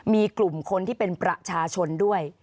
มีกลุ่มคนที่เป็นประชาชนด้วย